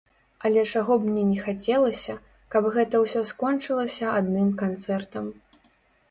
Але чаго б мне не хацелася, каб гэта ўсё скончылася адным канцэртам.